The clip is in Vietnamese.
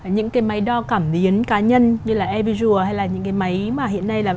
những cái máy đo cảm biến cá nhân như là airvisual hay là những cái máy mà hiện nay là